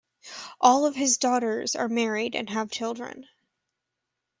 All of his daughters are married and have children.